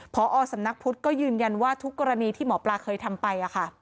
พอสำนักพุทธก็ยืนยันว่าทุกกรณีที่หมอปลาเคยทำไป